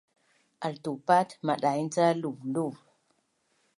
Altupat madaing ca luvluv